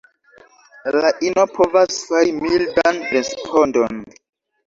La ino povas fari mildan respondon.